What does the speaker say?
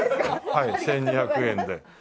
はい１２００円で。